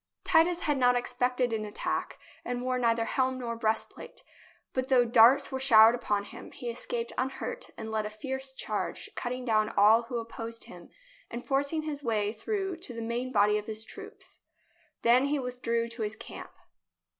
Titus had not expected an attack and wore neither helm nor breastplate. But, though darts were showered upon him, he escaped unhurt and led a fierce charge, cutting down all who opposed him and forcing his way through to the main body of his troops. Then he withdrew to his camp.